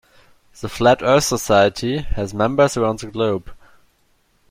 The Flat Earth Society has members around the globe.